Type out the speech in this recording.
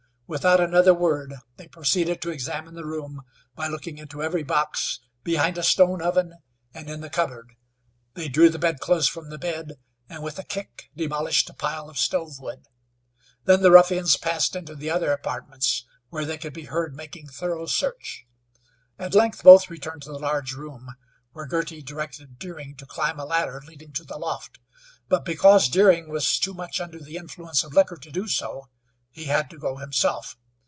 Without another word they proceeded to examine the room, by looking into every box, behind a stone oven, and in the cupboard. They drew the bedclothes from the bed, and with a kick demolished a pile of stove wood. Then the ruffians passed into the other apartments, where they could be heard making thorough search. At length both returned to the large room, when Girty directed Deering to climb a ladder leading to the loft, but because Deering was too much under the influence of liquor to do so, he had to go himself.